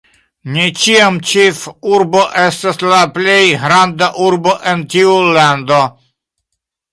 Ne ĉiam ĉefurbo estas la plej granda urbo en tiu lando.